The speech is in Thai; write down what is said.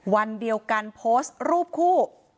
วันเดียวกันโพสต์รูปคู่